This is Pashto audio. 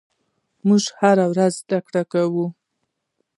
موږ هره ورځ زدهکړه کوو.